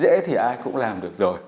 dễ thì ai cũng làm được rồi